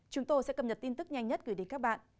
chúng tôi sẽ cập nhật tin tức nhanh nhất gửi đến các bạn